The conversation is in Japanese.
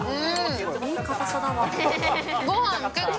いい硬さだわ。